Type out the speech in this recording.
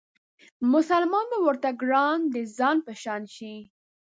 مسلمان به ورته ګران د ځان په شان شي